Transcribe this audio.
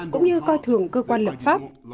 cũng như coi thường cơ quan lập pháp